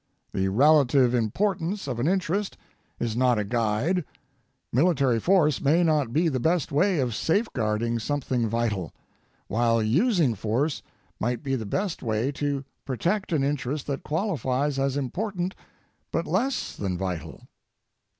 The relative importance of an interest is not a guide: Military force may not be the best way of safeguarding something vital, while using force might be the best way to protect an interest that qualifies as important but less than vital.